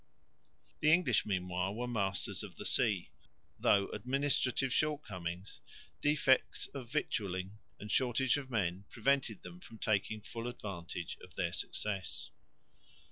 The English meanwhile were masters of the sea, though administrative shortcomings, defects of victualling and shortage of men prevented them from taking full advantage of their success.